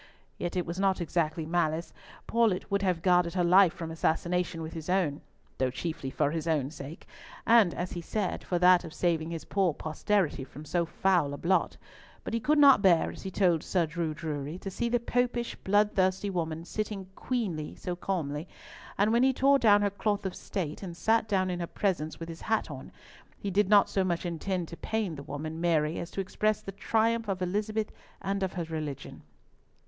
Yet it was not exactly malice. Paulett would have guarded her life from assassination with his own, though chiefly for his own sake, and, as he said, for that of "saving his poor posterity from so foul a blot;" but he could not bear, as he told Sir Drew Drury, to see the Popish, bloodthirsty woman sit queening it so calmly; and when he tore down her cloth of state, and sat down in her presence with his hat on, he did not so much intend to pain the woman, Mary, as to express the triumph of Elizabeth and of her religion.